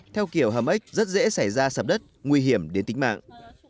theo kiểu hầm ếch rất dễ xảy ra sập đất nguy hiểm đến tính mạng